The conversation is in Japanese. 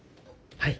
はい。